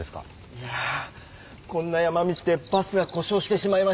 いやこんな山道でバスがこしょうしてしまいまして。